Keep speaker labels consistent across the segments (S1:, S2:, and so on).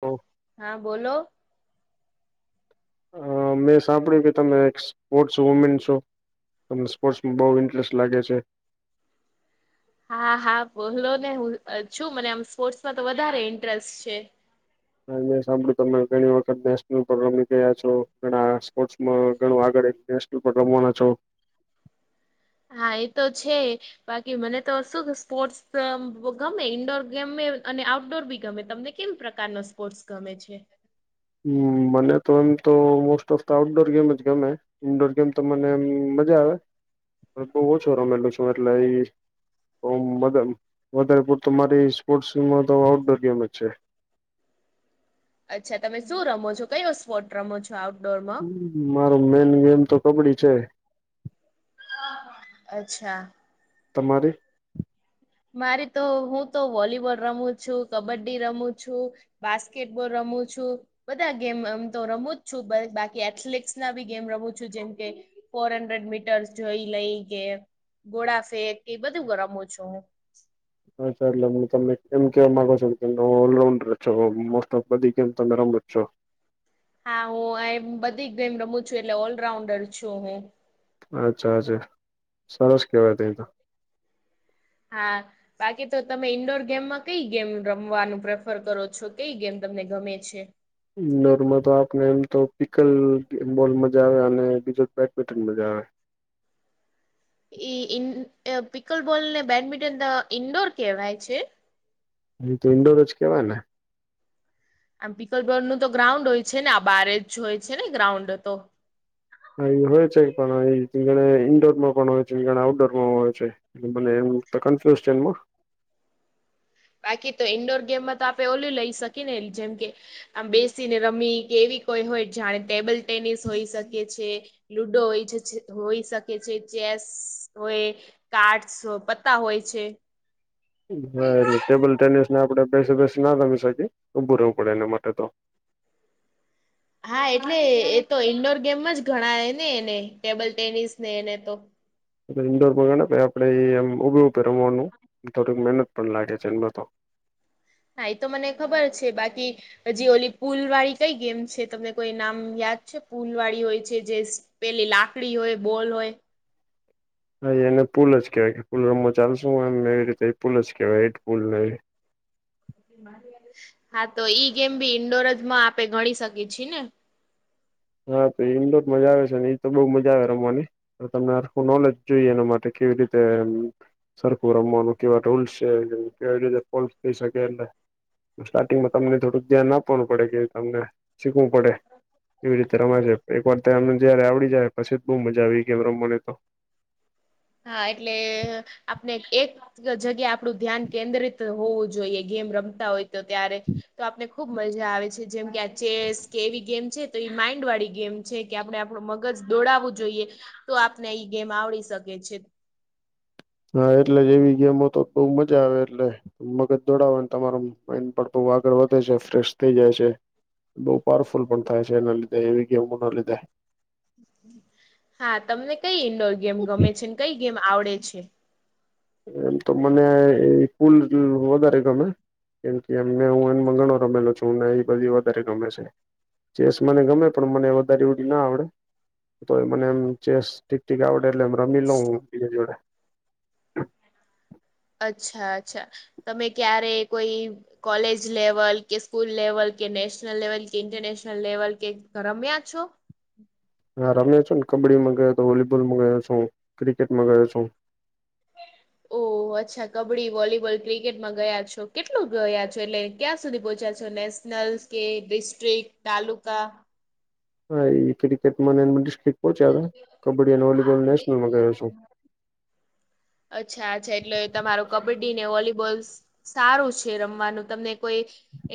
S1: હા, બોલો
S2: હા બોલો.
S1: હા, મેં પણ એવું જ સાંભળ્યું છે, કે તમે સ્પોર્ટ્સ વુમેન છો. હા, સ્પોર્ટ્સમાં બહુ ઇન્ટરેસ્ટ છે. ક્રિકેટ અને બેડમિન્ટન રમવાનું બહુ ગમે છે.
S2: હા હા, બોલો ને. મને આમ સ્પોર્ટ્સમાં તો વધારે ઇન્ટરેસ્ટ છે.
S1: હા, ઘણી વખત નેશનલ લેવલ પર રમી ગયા છો. હા, સ્પોર્ટ્સમાં ઘણું આગળ જવાનું છે, નેશનલ લેવલ પર પણ રમવાનું છે.
S2: હા, એ તો છે જ. મહેનત કરીએ તો આગળ જઈ શકાય ને. હા, મને બંને ગમે ઇન્ડોર ગેમ્સ પણ અને આઉટડોર ગેમ્સ પણ. ઇન્ડોરમાં ચેસ અને બેડમિન્ટન, અને આઉટડોરમાં ક્રિકેટ રમવાનું ગમે. કેવું પ્રકારનો સપોર્ટ ગમે છે.
S1: હા, મને પણ આઉટડોર ગેમ્સ વધારે ગમે. હા, ઇન્ડોર ગેમ્સમાં મને એટલી મજા નથી આવતી, બહુ ઓછી રમેલી છે. એટલે. હા, મારા સ્પોર્ટ્સમાં તો વધારે કરીને આઉટડોર ગેમ્સ જ છે. બહાર રમવામાં જ વધારે મજા આવે છે.
S2: હું આઉટડોરમાં ક્રિકેટ અને બેડમિન્ટન રમું છું, પણ ક્રિકેટ વધારે ગમે છે.
S1: મારો મેઇન ગેમ તો કબડી છે
S2: [unintelligible] અચ્છા!
S1: તમારી?
S2: મારી તો હું તો વોલીબોલ રમું છું, કબડ્ડી રમું છું બાસ્કેટબોલ રમું છું. બધાં ગેમ એમ તો રમું જ છું. બ બાકી એથ્લેટિક્સનાં બી ગેમ રમું છું. જેમ કે, ફોર હન્ડ્રેડ મીટર્સ જોઈ લઈ કે ગોળા ફેંક એ બધું રમું છું હું. [inaudible]
S1: [unintelligible] તમે એમ કેવા માંગો છો કે તમે ઓલરાઉન્ડર છો. મોસ્ટ ઓફ બધી ગેમ તમે રમો જ છો.
S2: હા, હું આ એમ બધી જ ગેમ રમું છું એટલે ઓલરાઉન્ડર છું હું.
S1: અચ્છા! અચ્છા! સરસ કેવાય તય તો.
S2: હા બાકી તો તમે ઈન્ડોર ગેમમાં કઈ ગેમ રમવાનું પ્રેફર કરો છો? કઈ ગેમ તમને ગમે છે?
S1: ઇન્ડોરમાં તો આપને એમ તો પિકલ બોલ મજા આવે અને બીજો બેટપિટન મજા આવે.
S2: એ ઈન અ પિકલ બોલ ને બેડમિન્ટન ઈન્ડોર કેહવાય છે?
S1: ઈ તો ઇન્ડોર જ કેવાય ને?
S2: આમ પીકલબોલનું તો ગ્રાઉન્ડ હોય છે ને આ બારે જ હોય છે ગ્રાઉન્ડ તો?
S1: હા ઈ હોય છે, પણ ઈ [unintelligible] ઈન્ડોરમાં પણ હોય છે [unintelligible] આઉટડોરમાં હોય છે બલે એમ તો [unintelligible]
S2: બાકી તો ઈન્ડોર ગેમમાં તો આપે ઓલું લઈ શકીએ ને જેમ કે, આમ બેસીને રમી કે એવી કોઈ હોય જાણે ટેબલ ટેનિસ હોઈ શકે છે. લુડો હોય છે, છ છ હોય શકે છે, ચેસ હોય કાર્ડસ્ અ પત્તા હોય છે.
S1: હા એટલે ટેબલ ટેનિસને આપળે બેસી બેસી ના રમી શકી, ઉભું રહેવું પડે એના માટે તો.
S2: હા, એટલે એ તો ઈન્ડોર ગેમમાં જ ગણાય ને એને, ટેબલ ટેનિસ ને એને તો‌.
S1: એ ઇન્ડોર બોલવાના કે આપળે એમ ઉભે ઉભે રમવાનું થોડીક મહેનત પણ લાગે છે ઈન્મે તો.
S2: હા, ઈ તો મને ખબર જ છે બાકી હજી ઓલી પુલવાળી કઈ ગેમ છે? તમને કોઈ નામ યાદ છે? પુલવાળી હોય છે જેસ્ પેલી લાકળી હોય, બોલ હોય.
S1: હા, એને પુલ જ કેવાય કે, પૂલ રમવા ચાલશું? એમ એવી રીતે ઈ પુલ જ કેવાય ઈ જ પુલ ને એ
S2: [unintelligible] હા, તો ઈ ગેમ ભી ઈન્ડોર જ માં આપે ગણી શકીએ છે ને
S1: હા, તો ઇન્ડોરમાં જ આવે છે ને ઈ તો બોવ મજા આવે રમવાની તો તમને હરખું નોલેજ જોઈએ એના માટે કેવી રીતે સરખું રમવાનું કેવા ટુલ્સ છે જેમ કેવી રીતે ફોલ્સ થઈ શકે એમ ને સ્ટાર્ટિંગમાં તમને થોડુંક ધ્યાન આપવાનું પડે કે તમને શીખવું પડે કેવી રીતે રમાય છે? એકવાર તેમને જ્યારે આવળી જાહે પછી ત બોવ મજા આવી ઈ ગેમ રમવાની તો.
S2: હા, એટલે આપને એક જ જગ્યા આપળુ ધ્યાન કેન્દ્રિત હોવું જોઈએ ગેમ રમતા હોય તો ત્યારે તો આપને ખુબ મજા આવે છે. જેમ કે, આ ચેસ કે એવી ગેમ છે તો એ માઇન્ડવાળી ગેમ છે કે આપળે આપળુ મગજ દોડાવું જોઈએ તો આપને એઈ ગેમ આવળી શકે છે.
S1: હા, એટલે એવી ગેમો તો બોવ મજા આવે એટલે મગજ દોડાવાન તમારો માઇડ પણ બોવ આગળ વધે છે ફ્રેશ થઈ જાય છે બઉ પાવરફુલ પણ થાય છે એના લીધે એવી ગેમોના લીધે.
S2: હા, તમને કઈ ઈન્ડોર ગેમ ગમે છે! ને કઈ ગેમ આવળે છે?
S1: એમ તો મને ઈ પુલ જોવી વધારે ગમે. કેમ કે એમને હું બૈને વાળ રમેલો છું ને એ બધી વધારે ગમે છે. ચેસ મને ગમે પણ મને વધારે એવળી ના આવળે. તો મને એમ ચેસ ઠીક ઠીક આવળે એટલે એમ રમી લઉ બીજા જોડે.
S2: અચ્છા, અચ્છા તમે ક્યારે કોઈ કોલેજ લેવલ, કે સ્કૂલ લેવલ, કે નેશનલ લેવલ, કે ઇન્ટરનેશનલ લેવલ કે રમ્યા છો?
S1: હા રમ્યો છુ ને. કબડ્ડીમાં ગયો તો, વોલીબોલમાં ગયો છું, ક્રિકેટમાં ગયો છું.
S2: ઓહ! અચ્છા કબડ્ડી, વોલીબોલ, ક્રિકેટમાં ગયા છો. કેટલું ગયા છો? એટલે ક્યાં સુધી પહોંચ્યા છો નેસ નલ કે ડિસ્ટ્રિક, તાલુકા.
S1: હા એ ક્રિકેટમાં ને એનમાં ડિસ્ટ્રિક પોહોંચ્યા તા. કબડ્ડી અને વોલીબોલ નેશનલમાં ગયો છું.
S2: અચ્છા આ જે એટલે તમારો કબડ્ડી ને વોલીબોલ સારું છે રમવાનું તમને કોઈ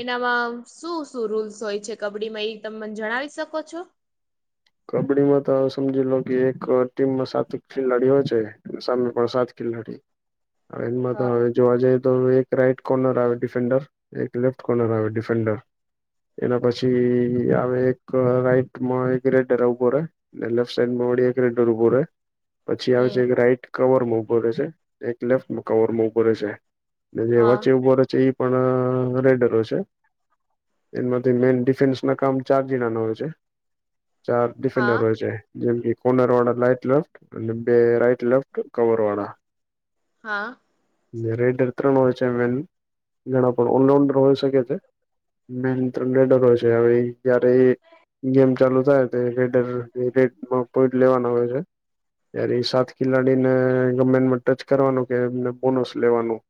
S2: એનામાં શું શું રૂલ્સ હોય છે કબડ્ડીમાં ઈ તમે મને જણાવી શકો છો?
S1: કબડ્ડીમાં તો સમજી લો કે એક ટીમમાં સાત ખેલાડી હો છે. અને સામે પણ સાત ખેલાડી. હવે એનમાં તો
S2: હા.
S1: હવે. જોવા જઈએ તો એક રાઈટ કોર્નર આવે ડિફેન્ડર એક લેફ્ટ કોર્નર આવે ડિફેન્ડર. એના પછી આ હવે એક રાઈટમાં એક રેડ ઉભો રહેે, ને લેફ્ટ સાઈડમાં વડી એક રેડર ઉભો રહેે. પછી આવે
S2: હમ
S1: છે એક રાઈટ કવરમાં ઉભો રહે છે, એક લેફ્ટ કવરમાં ઉભો રહે છે. ને જે
S2: હા
S1: વચ્ચે ઉભો રે છે એ પણ રેડરો છે. એનમાંથી મેન ડિફેન્સના કામ ચાર જણાના હોય છે. ચાર
S2: હા
S1: ડિફેન્ડર હોય છે. જેમ કે કોર્નર વાળા લાઈટ લેફ્ટ અને બે રાઈટ લેફ્ટ કવરવાળા.
S2: હા
S1: ને રેડર ત્રણ હોય છે મેન ઘણા પણ ઓલરાઉન્ડર હોય શકે છે. મેન ત્રણ રેડરો હોય છે. હવે એ જયારે જેમ ચાલુ થાય તે રેડર રેડ પોઇન્ટ લેવાના હોય છે. ત્યારે ઈ સાત ખિલાડીને ગમે એનમાં ટચ કરવાનું કે એમને બોનસ લેવાનું.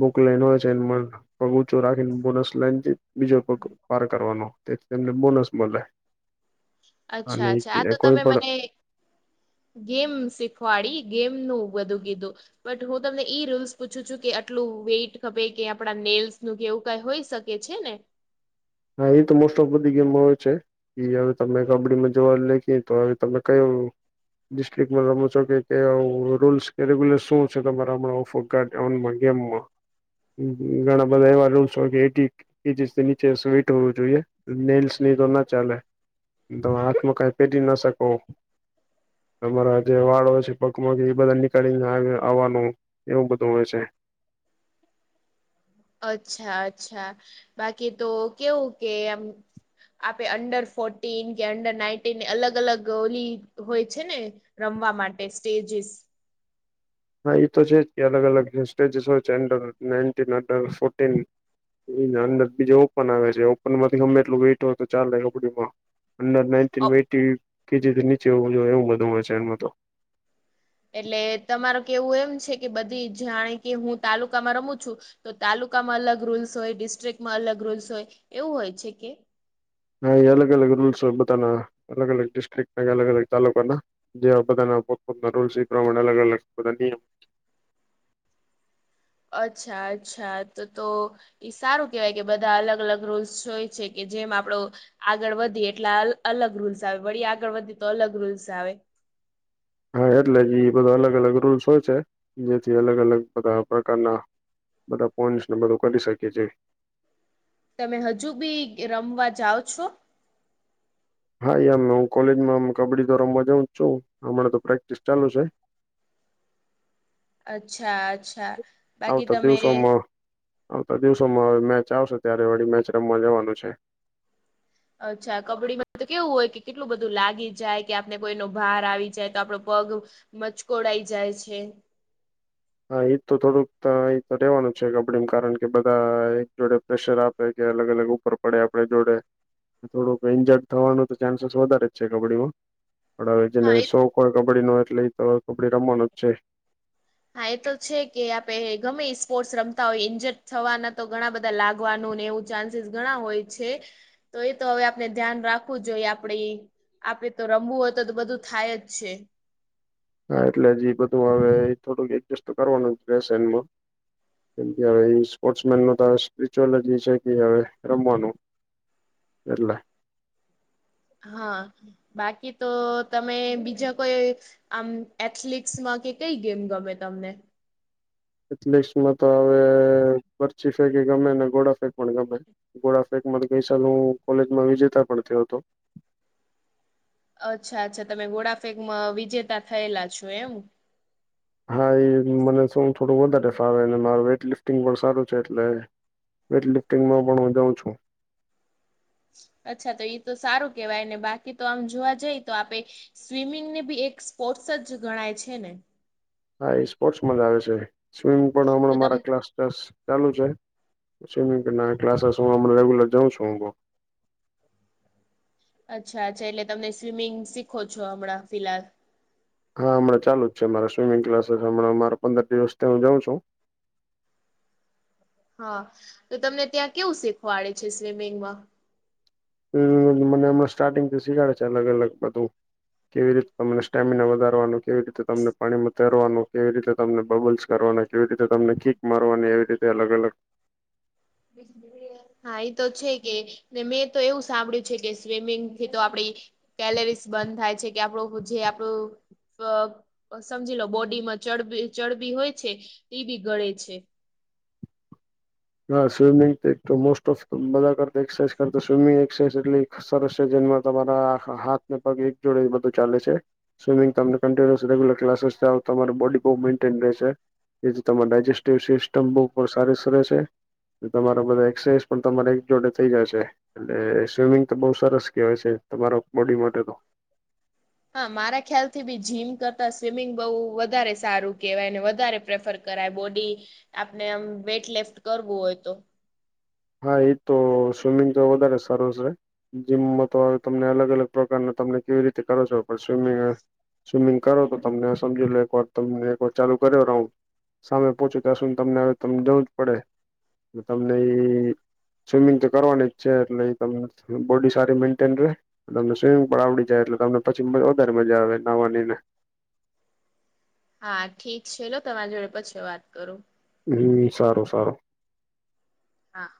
S1: બુક લેનોય છે એનમાં પગ ઊંચો રાખીને બોનસ લાઈનથી બીજો પગ પાર કરવાનો. તેથી તેમને બોનસ મળે. અને
S2: અચ્છા
S1: ઈ
S2: અચ્છા આ
S1: કે
S2: તો
S1: કોઈ
S2: તમે
S1: પણ
S2: મને ગેમ શીખવાડી ગેમનું બધું કીધું. બટ હું તમને ઈ રૂલ્સ પૂછું છું કે આટલું વેઇટ ખપે કે આપણા નેલ્સનું કે એવું કઈ હોઈ શક કે છે ને?
S1: હા એતો મોસ્ટ ઓફ બધી ગેમમાં હોય છે. એ હવે તમે કબડ્ડીમાં જોવાનું લખી તો હવે તમે કયો. ડિસ્ટ્રિક્ટમાં રમો છો કે ક્યાં રૂલ્સ કે રેગ્યુલે શું છે તમારા માં [inaudible] કાર્ડ ઓનમાં ગેમમાં. હમ હમ ઘણા બધા એવા રૂલ્સ હોય કે એઈટી એઈટી થી નીચે [inaudible] હોવું જોઈએ. નેલ્સને એતો ના ચાલે. તમે હાથમાં કાઈ પેરી ના શકો. તમારા જે વાળ હોય છે પગમાંગી એ બધા નીકળીને આવાનું. એવું બધું હોય છે.
S2: અચ્છા અચ્છા. બાકી તો કેવું કે આમ આપડે અંડર ફોર્ટીન કે અંડર નાઈટીન અલગ અલગ ઓલી હોય છે ને? રમવા માટે સ્ટેજીસ.
S1: હા ઈ તો છે જ કે અલગ-અલગ સ્ટેજસ ઓય છે, એન્ટર નેન [unintelligible] ફોર્ટીન. એન નંદર બીજે ઓપન આવે છે. ઓપન માંથી ગમે એટલુ વેટ હોય તો, ચાલે ઓપડીમા. અંડર નાઈન્ટીન વેથી કે જેથી નીચે હોવુ જોયે એવુ બધુ છે, અમાં તો.
S2: એટલે તમાર કેવું એમ છે કે, બધી જાણે કે હું તાલુકામાં રમું છું. તો તાલુકામાં અલગ રૂલ્સ હોય, ડિસ્ટ્રિકમાં અલગ રૂલ્સ ઓય, એવું હોય છે કે?
S1: હા, એ અલગ-અલગ રૂલ્સ હોય પોતાના અલગ-અલગ ડિસ્ટ્રિકના, અલગ-અલગ તાલુકા ના. જેવા બધાના પોતપોતાના રૂસ એ પ્રમાણે અલગ-અલગ બધા નિયમ.
S2: અચ્છા-અચ્છા, તો-તો કે સારું કેવાય કે બધા અલગ-અલગ રૂલ્સ જોય છે કે, જેમ આપડો આગળ વધીએ એટલે અ-અલગ રૂલ્સ આવે. વળી, આગળ વધી તો અલગ રૂલ્સ આવે.
S1: હા એટલે જ ઈ બધા અલગ-અલગ રૂલ્સ હોય છે. જેથી અલગ-અલગ બધા પ્રકારના બધા પોઈન્ટસને બધુ કરી શકે છે.
S2: તમે હજુ બી રમવા જાઓ છો?
S1: હા, ઈમ હું કોલેજમાંમ કબ્ડી તો રમવા જઉ જ છું, હમણા તો પ્રેક્ટિસ ચાલુ સે.
S2: અચ્છા-અચ્છા.
S1: આવતા દિવસોમાં આવતા દિવસોમાં અવે મેચ આવશે, ત્યારે વળી મેચ રમવા જવાનું છે.
S2: અચ્છા. કબ્ડીમાં તો કેવુ ઓય કે કેટલુ બધુ લાગી જાય કે, આપને કોઈનો ભાર આવી જાય, તો આપડો પગ મચકોડાઈ જાય છે.
S1: હ એ તો થોડુંક ત એત રેવાનુ છે કબ્ડીમાં કારણ કે, બધા એક જોડે પ્રેશર આ કોઈ કે અલગ-અલગ ઉપર પડે આપડે જોડે. થોડુક ઈન્જર્ડ થવાનું તો ચાન્સીસ વધારે જ છે, કબ્ડીમા. પડ અવે
S2: હા
S1: જેને
S2: એ
S1: શોખ ઓય કબ્ડી નો એટલે ઈતો કબ્ડી રમવાનો જ છે.
S2: હા એ તો છે કે, આપે ગમે ઈ સ્પોર્ટ્સ રમતા ઓય. ઈન્જત થવાના તો ઘણા બધા લાગવાનું ને એવુ ચાન્સીસ ઘણા હોય છે. તો એ તો અવે આપણે ધ્યાન રાખવુ જોઈએ, આપડણી આપરે તો રમવું ઓય, તો તે બધુ થાય જ છે.
S1: હા એટલે જ એ બધુ અવે થોડુંક એક્જસ તો કરવાનુ જ રેશે એન્મા. કેમ કે હવે ઈ સ્પોર્ટ્સ મેન ન તો સ્પિરચ્યુઅલ જ એ છે કે, હવે રમવાનુ એટલે
S2: હા, બાકી તો તમે બીજા કોઈ આમ, એથલિક્સ માં કે કઈ ગેમ ગમે તમને?
S1: એથલેસમાં તો અવે પરચી શકે, ગમે એને ઘોડા ફેક પણ ગમે. ગોડાફેકમા તો ગઈ સાલુ કોલેજમાં વિજેતા પણ થયો અતો.
S2: અચ્છા-અચ્છા, તમે ગોડાફેકમાં વિજેતા થયેલા છો એમ.
S1: હા, ઈ મને સું થોડું વધારે ફાવેને માર વેઇટ લિફ ટિંગ પણ સારું છે, એટલે વેઇટ લિફ્ટિંગમાં પણ હું જઉં છું.
S2: અચ્છા, તો ઈ તો સારુ કેવાય ને બાકી તો આમ જોવા જઈ તો આપે સ્વિમિંગ ને બી એક સ્પોર્ટ્સ જ ગણાય છે ને.
S1: હા ઈ સ્પોર્ટસમાં જ આવે છે. સ્વિમિંગ પણ
S2: તો
S1: અમણાં
S2: તમ
S1: મારા ક્લાસ બસ ચાલુ છે. સ્વિમિંગ ના ક્લાસસ હું અમે રેગ્યુલર જઉં છું હુ.
S2: અચ્છા-અચ્છા, એટલે તમને સ્વિમિંગ શીખો છો હમણાં ફિલાઆ
S1: હા, અમણા ચાલુ જ છે. મારા સ્વિમિંગ ક્લાસ હમલા મારા પંદર દિવસથી હુ જઉ છું.
S2: હા, તો તમને ત્યાં કેવું શીખવાડે છે સ્વિમિંગમાં?
S1: હમ્મ. મને અમણાં સ્ટાર્ટિંગથી સીખાડે છે, અલગ-અલગ બધુ. કેવી રીત તમને સ્ટેમિના વધારવાનુ, કેવી રીતે તમને પાણીમાં તેરવાનું, કેવી રીતે તમને બબલ્સ કરવાને, કેવી રીતે તમને કીક મારવાની એવી રીતે અલગ-અલગ
S2: બીજી બે બે વાર હા એ તો છે કે ને મેં તો એવું સાંભળ્યું છે કે સ્વિમિંગ થી તો આપડી કેલરીસ બર્ન થાય છે કે આપડું જે આપડું અહ અહ સમજી લો બોડીમાં ચડબી ચડબી હોય છે તે બી ગળે છે.
S1: હા સ્વિમિંગ એક મોસ્ટ ઓફ બધા કરક્સરસાઝ કર સ્વિમિંગ એક્સરસાઝ એટલી સરસ છે જનમાં તમારા હાથને પગ એક જોડે એ બધું ચાલે છે. સ્વિમિંગ તમને કન્ટિન્યુસ રગ્યુલર્લાસ તમારી બોડી બહુ મેન્ટેન રહેશે. જેથી તમાર ડાયજેસ્ટિવ સિસ્ટમ બહુ પર સારી સર રહશે. તો તમારા બધા એક્સરસાઇઝ પણ તમારે એક જોડે થઈ જશે. એટલે સ્વિમિંગ તો બઉુ સરસ કહેવાય છે તમારો બોડી માટે તો.
S2: હા મારા ખ્યાલ થી બી જીમ કરતા સ્વિમિંગ બહુ વધારે સારું કેહેવાયને વધારે પ્રેફર કરાય બોડી આપને આમ વેટ લિફ્ટ કરવું હોય તો.
S1: હા એ તો સ્વિમિંગ તો વધારે સરસ હોય. જીમમાં તો હ તમને અલગ અલગ પ્રકારના તમને કેવી રીતે કરો છો પણ સ્વિમિંગ સ્વિમિંગ કરો તો તમને સમજી લો એક વાર તમને એક વાર ચાલુ કર્યો રાઉન્ડ સામે પોહોચી ત્યાં સુધ તમને હવે તમ જવું જ પડે, તો તમને એ સ્વિમિંગ તો કરવાની છે એટલે તમને બોડી સારી મેન્ટેન રહે. તો સ્વિમિંગ પણ આવડી જાય એટલે તમને પછી વધારે મઝા આવે નહવાની ને.
S2: હા ઠીક છે, લો તમારા જોડે પછી વાત કરું.
S1: હમ્મ સારું સારું.
S2: હા.